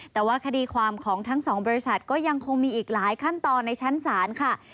แต่ว่าคดีความของทั้งสองบริษัทก็ยังคงมีอีกหลายขั้นตอนในชั้นศาลค่ะ